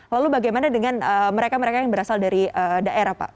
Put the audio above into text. lalu bagaimana dengan mereka mereka yang berasal dari daerah pak